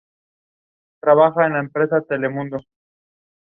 Pygidium shiny and strongly but sparsely punctured.